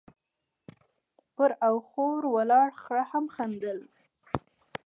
، پر اخوره ولاړ خره هم خندل،